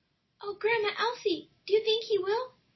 "O Grandma Elsie, do you think he will?